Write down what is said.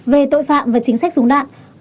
về tội phạm và chính sách súng đạn